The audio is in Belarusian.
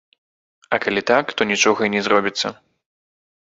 А калі так, то нічога і не зробіцца.